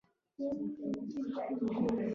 هیڅ بشري ژبه په بشپړه توګه خالصه نه ده